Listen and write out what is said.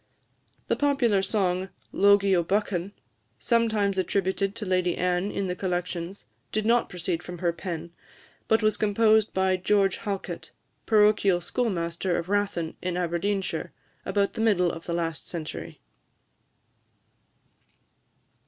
The popular song, "Logie o' Buchan," sometimes attributed to Lady Anne in the Collections, did not proceed from her pen, but was composed by George Halket, parochial schoolmaster of Rathen, in Aberdeenshire, about the middle of the last century.